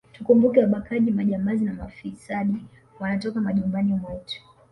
Tukumbuke wabakaji majambazi na mafisadi wanatoka majumbani mwetu